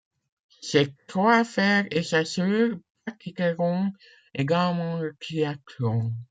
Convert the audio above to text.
Ses trois frères et sa sœur pratiqueront également le triathlon.